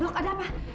blok ada apa